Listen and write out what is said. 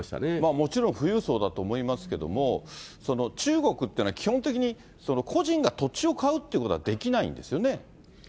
もちろん富裕層だと思いますけども、中国っていうのは、基本的に個人が土地を買うということはできないんですよね？